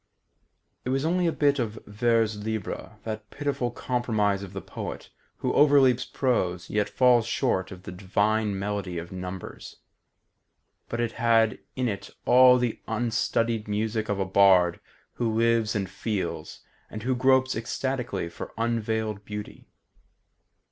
It was only a bit of vers libre, that pitiful compromise of the poet who overleaps prose yet falls short of the divine melody of numbers; but it had in it all the unstudied music of a bard who lives and feels, and who gropes ecstatically for unveiled beauty.